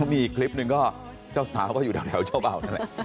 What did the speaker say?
มีอีกคลิปนึงก็เจ้าสาวก็อยู่แถวเจ้าเบ่า